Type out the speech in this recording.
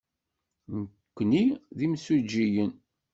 Nekkni d imsujjiyen.